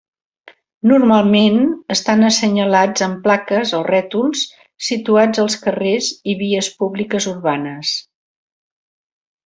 Normalment estan assenyalats amb plaques o rètols situats als carrers i vies públiques urbanes.